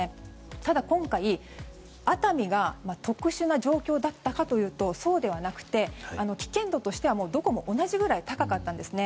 ただ、今回熱海が特殊な状況だったかというと、そうではなくて危険度としてはどこも同じくらい高かったんですね。